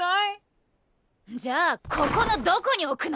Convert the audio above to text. じゃあここのどこに置くの！？